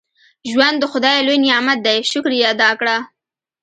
• ژوند د خدای لوی نعمت دی، شکر یې ادا کړه.